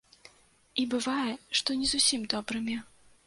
І бывае, што не зусім добрымі.